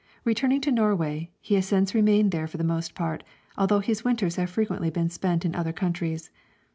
Returning to Norway, he has since remained there for the most part, although his winters have frequently been spent in other countries.